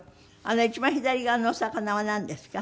あの一番左側のお魚はなんですか？